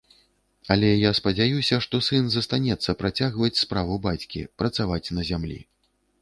Але я спадзяюся, што сын застанецца працягваць справу бацькі, працаваць на зямлі.